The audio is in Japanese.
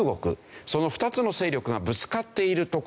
その２つの勢力がぶつかっている所。